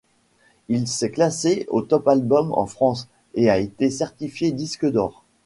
Il s'est classé au top album en France et a été certifié disque d'or.